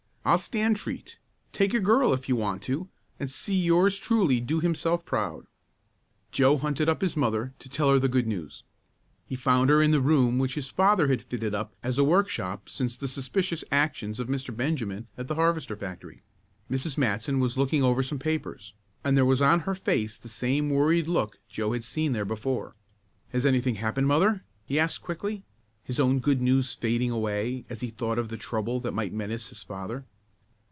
I'll stand treat. Take a girl if you want to and see yours truly do himself proud." Joe hunted up his mother to tell her the good news. He found her in the room which his father had fitted up as a workshop since the suspicious actions of Mr. Benjamin at the harvester factory. Mrs. Matson was looking over some papers, and there was on her face the same worried look Joe had seen there before. "Has anything happened, mother?" he asked quickly, his own good news fading away as he thought of the trouble that might menace his father.